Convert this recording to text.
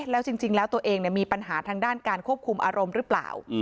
แล้วจริงแล้วตัวเองมีปัญหาทางด้านการควบคุมอารมณ์หรือเปล่า